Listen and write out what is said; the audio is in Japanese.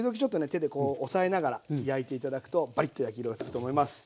手でこう押さえながら焼いて頂くとバリッと焼き色がつくと思います。